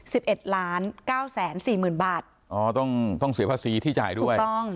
สิบเอ็ดล้านเก้าแสนสี่หมื่นบาทอ๋อต้องต้องเสียภาษีที่จ่ายด้วยถูกต้อง